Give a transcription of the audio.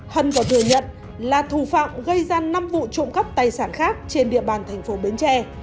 hân có thừa nhận là thù phạm gây ra năm vụ trộm cắt tài sản khác trên địa bàn thành phố bến tre